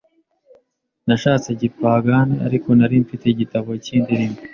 Nashatse gipagani ariko nari mfite igitabo cy’indirimbo,